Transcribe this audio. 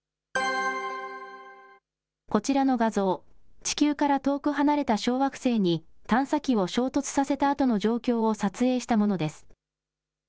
こちらの画像、地球から遠く離れた小惑星に探査機を衝突させたあとの状況を撮影したものです。